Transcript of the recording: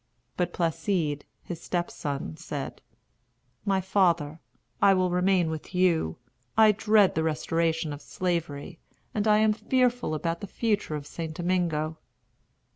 But Placide, his step son, said: "My father, I will remain with you. I dread the restoration of Slavery, and I am fearful about the future of St. Domingo."